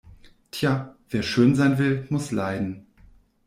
Tja, wer schön sein will, muss leiden.